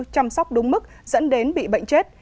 chăm sóc đúng mức dẫn đến bị bệnh chết